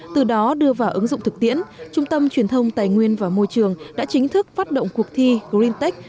từ đó đưa vào ứng dụng thực tiễn trung tâm truyền thông tài nguyên và môi trường đã chính thức phát động cuộc thi greentech